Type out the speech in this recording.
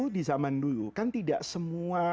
di zaman dulu kan tidak semua